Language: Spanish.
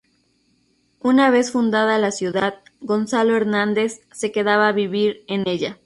Una vez fundada la ciudad, Gonzalo Hernández se quedaba a vivir en ella.